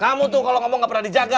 kamu tuh kalau ngomong gak pernah dijaga